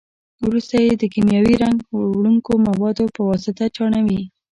وروسته یې د کیمیاوي رنګ وړونکو موادو په واسطه چاڼوي.